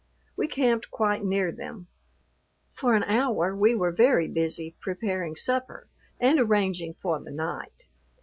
We camped quite near them. For an hour we were very busy preparing supper and arranging for the night.